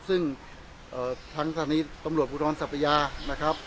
ซึ่งทางทางนี้ตำรวจภูตรรณสัตวิยานะครับ